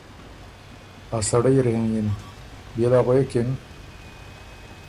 ا سړئ اِر هېںئِن“ بيې له غوېکِن